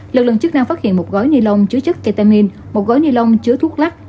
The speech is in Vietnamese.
lực lượng chức năng phát hiện một gói ni lông chứa chất ketamin một gói ni lông chứa thuốc lắc